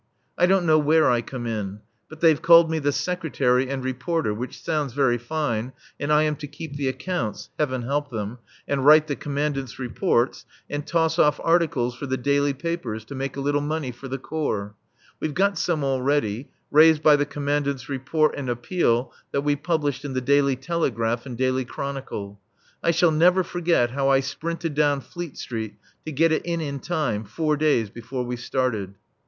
I don't know where I come in. But they've called me the Secretary and Reporter, which sounds very fine, and I am to keep the accounts (Heaven help them!) and write the Commandant's reports, and toss off articles for the daily papers, to make a little money for the Corps. We've got some already, raised by the Commandant's Report and Appeal that we published in the Daily Telegraph and Daily Chronicle. I shall never forget how I sprinted down Fleet Street to get it in in time, four days before we started.